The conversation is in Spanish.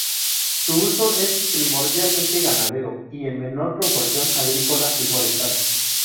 Su uso es primordialmente ganadero y en menor proporción agrícola y forestal.